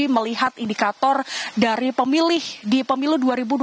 melihat indikator dari pemilih di pemilu dua ribu dua puluh